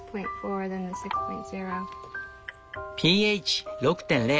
ｐＨ６．０